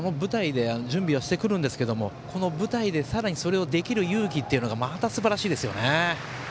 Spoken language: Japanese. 準備はしてくるんですがこの舞台でさらにそれをできる勇気というのがまたすばらしいですよね。